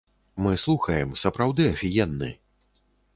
Мы слухаем, сапраўды афігенны.